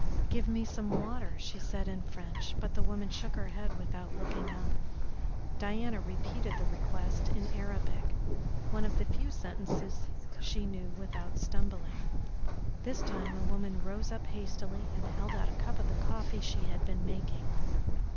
"Give me some water," she said in French, but the woman shook her head without looking up. Diana repeated the request in Arabic, one of the few sentences she knew without stumbling. This time the woman rose up hastily and held out a cup of the coffee she had been making.